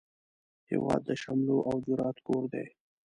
هیواد د شملو او جرئت کور دی